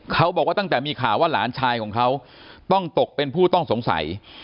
เขาบอกว่าตั้งแต่มีข่าวว่าหลานชายของเขาต้องตกเป็นผู้ต้องสงสัย